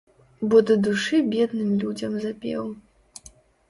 Бо да душы бедным людзям запеў.